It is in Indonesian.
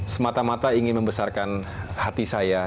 semata mata ingin membesarkan hati saya